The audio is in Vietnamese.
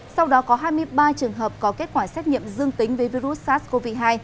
sau đó có hai mươi ba trường hợp có kết quả xét nghiệm dương tính với virus sars cov hai